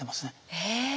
へえ！